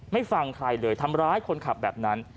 ไม่ฟังใครเลยทำร้ายคนขับแบบนั้น